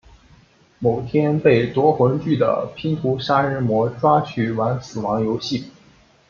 某天被夺魂锯的拼图杀人魔抓去玩死亡游戏。